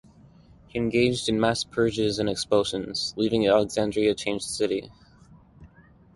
He engaged in mass purges and expulsions, leaving Alexandria a changed city.